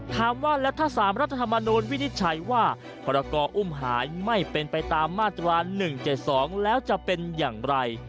ถามว่าแล้วถ้า๓รัฐธรรมนูลวินิจฉัยว่าพรกรอุ้มหายไม่เป็นไปตามมาตรา๑๗๒แล้วจะเป็นอย่างไร